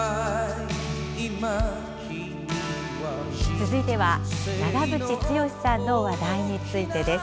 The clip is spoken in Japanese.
続いては、長渕剛さんの話題についてです。